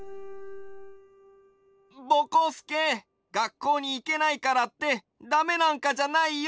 ぼこすけがっこうにいけないからってだめなんかじゃないよ。